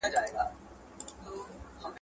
د کار مؤلديت فوق العاده لوړوالی پيدا نه کړ.